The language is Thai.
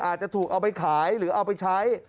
อาจจะถูกเอาไปขายหรือเอาไปใช้